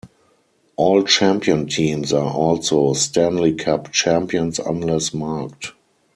All champion teams are also Stanley Cup champions unless marked.